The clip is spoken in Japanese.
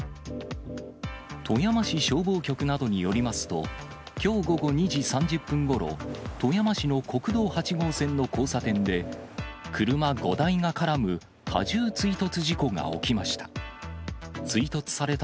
富山市消防局などによりますと、きょう午後２時３０分ごろ、富山市の国道８号線の交差点で、車５台が絡む多重追突事故が起きました。